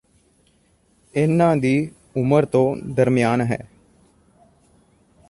ਇਹਨਾਂ ਦੀ ਉਮਰ ਤੋਂ ਦਰਮਿਆਨ ਹੈ